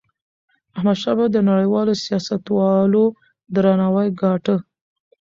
احمدشاه بابا د نړیوالو سیاستوالو درناوی ګاټه.